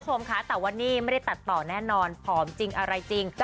คุณผู้ชมคะแต่ว่านี่ไม่ได้ตัดต่อแน่นอนผอมจริงอะไรจริง